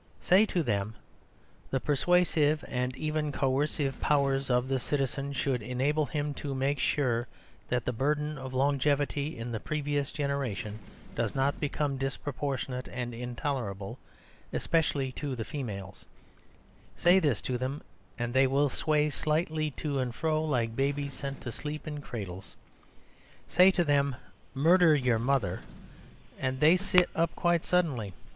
Say to them "The persuasive and even coercive powers of the citizen should enable him to make sure that the burden of longevity in the previous generation does not become disproportionate and intolerable, especially to the females"; say this to them and they will sway slightly to and fro like babies sent to sleep in cradles. Say to them "Murder your mother," and they sit up quite suddenly.